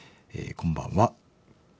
こんばんは。